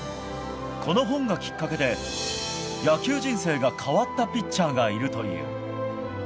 この本がきっかけで野球人生が変わったピッチャーがいるという。